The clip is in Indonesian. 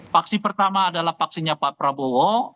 paksi pertama adalah paksinya pak prabowo